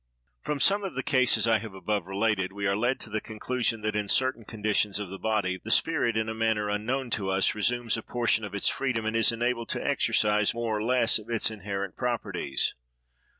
From some of the cases I have above related, we are led to the conclusion that in certain conditions of the body, the spirit, in a manner unknown to us, resumes a portion of its freedom, and is enabled to exercise more or less of its inherent properties.